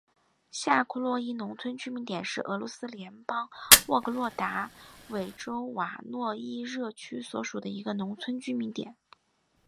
下库洛伊农村居民点是俄罗斯联邦沃洛格达州韦尔霍瓦日耶区所属的一个农村居民点。